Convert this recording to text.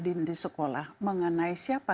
dan di sekolah mengenai siapa